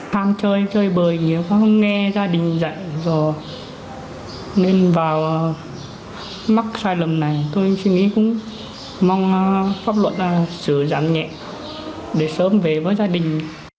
tham chơi chơi bời nếu không nghe gia đình dạy rồi nên vào mắc sai lầm này tôi suy nghĩ cũng mong pháp luận là sửa giảm nhẹ để sớm về với gia đình